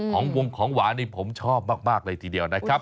ของวงของหวานนี่ผมชอบมากเลยทีเดียวนะครับ